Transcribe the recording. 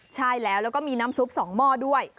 ใช่แล้วแล้วก็มีน้ำซุป๒หม้อด้วย